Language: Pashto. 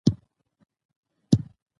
اداري عدالت سولې ته زمینه برابروي